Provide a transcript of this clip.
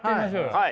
はい。